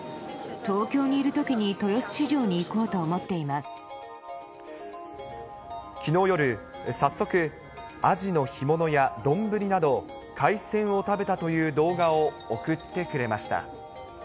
東京にいるときに豊洲市場にきのう夜、早速、アジの干物や丼など、海鮮を食べたという動画を送ってくれました。